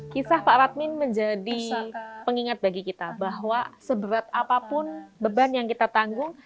kisah pak radmin menjadi pengingat bagi kita bahwa seberat apapun beban yang kita tanggung